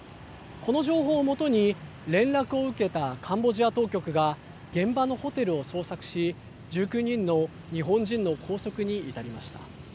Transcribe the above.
この情報を基に、連絡を受けたカンボジア当局が現場のホテルを捜索し、１９人の日本人の拘束に至りました。